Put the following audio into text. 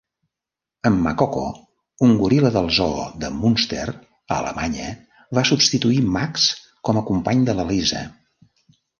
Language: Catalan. En Makoko, un goril·la del zoo de Munster, a Alemanya, va substituir Max com a company de la Lisa.